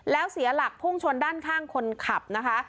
แล้วเสียหลักพุ่งชนด้านข้างคนขับนะคะ